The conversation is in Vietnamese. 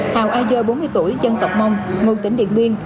hào ai dơ bốn mươi tuổi dân tộc mông ngôn tỉnh điện biên